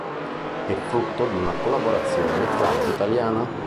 È frutto di una collaborazione franco-italiana.